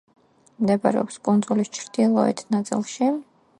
მდებარეობს კუნძულის ჩრდილოეთ ნაწილში.